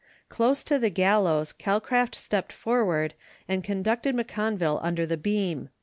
Close to the gallows Calcraft stepped forward and conducted M'Conville under the beam.